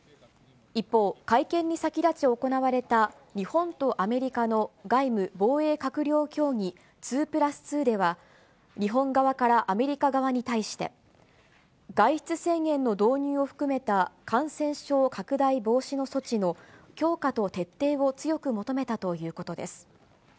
一方、会見に先立ち行われた日本とアメリカの外務・防衛閣僚協議、２プラス２では、日本側からアメリカ側に対して、外出制限の導入を含めた、感染症拡大防止の措置の強化と徹底を強く求めたということです。